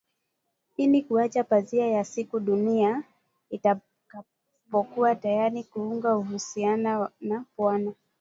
ili kuacha pazia ya siku dunia itakapokuwa tayari kuunga uhusiana na Pwani.